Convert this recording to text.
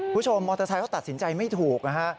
คุณผู้ชมมอเตอร์ไซค์เขาตัดสินใจไม่ถูกนะฮะ